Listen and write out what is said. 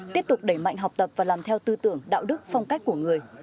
tiếp tục đẩy mạnh học tập và làm theo tư tưởng đạo đức phong cách của người